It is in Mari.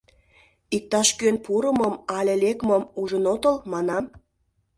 Иктаж-кӧн пурымым але лекмым ужын отыл, манам?